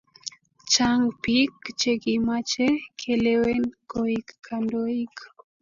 chang pik che kimache ke lewen koik kandoik